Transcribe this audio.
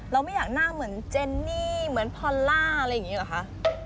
ไม่อยากหน้าเหมือนเจนนี่เหมือนพอลล่าอะไรอย่างนี้หรอคะ